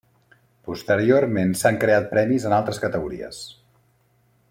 Posteriorment s'han creat premis en altres categories.